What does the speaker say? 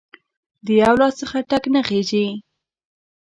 د یو لاس څخه ټک نه خیژي